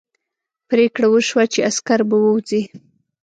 پرېکړه وشوه چې عسکر به ووځي.